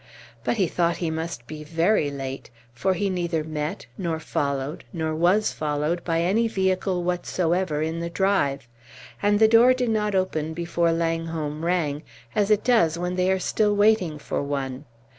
But he thought he must be very late; for he neither met, followed, nor was followed by any vehicle whatsoever in the drive; and the door did not open before Langholm rang, as it does when they are still waiting for one.